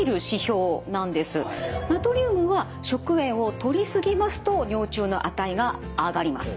ナトリウムは食塩をとり過ぎますと尿中の値が上がります。